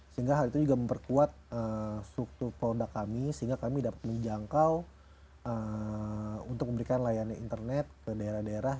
sehingga hal itu juga memperkuat struktur produk kami sehingga kami dapat menjangkau untuk memberikan layanan internet ke daerah daerah